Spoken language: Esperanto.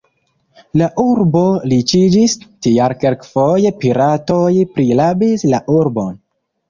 La urbo riĉiĝis, tial kelkfoje piratoj prirabis la urbon.